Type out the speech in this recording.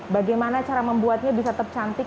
bagaimana cara membuatnya bisa tetap cantik